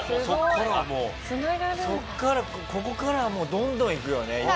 そこからここからはもうどんどんいくよね